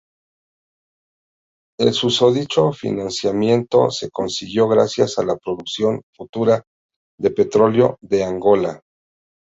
El susodicho financiamiento se consiguió gracias a la producción futura de petróleo de Angola.